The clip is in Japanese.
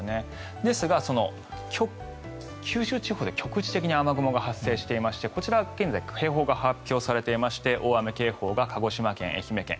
ですが、九州地方で局地的に雨雲が発生していましてこちら現在警報が発表されていまして大雨警報が鹿児島県、愛媛県。